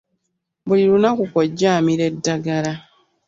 Buli linaku kojja amira eddagala.